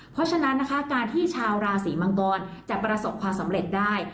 เพราะฉะนั้นนะคะการที่ชาวราศีมังกรจะประสบความสำเร็จได้